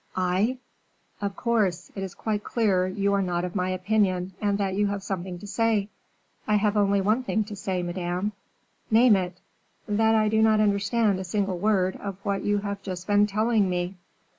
"I?" "Of course; it is quite clear you are not of my opinion, and that you have something to say." "I have only one thing to say, Madame." "Name it!" "That I do not understand a single word of what you have just been telling me."